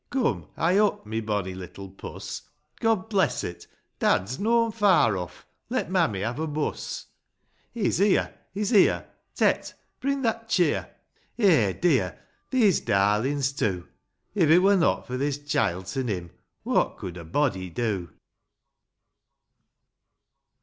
Come, hie up, — My boimy little puss ! God bless it ! Daddy's noan far off; Let mammy have a buss ! He's here ! He's here ! Tet, bring that cheer I Eh, dear ; these darlin's two ! If it wur not for this chylt aa' him What could a body do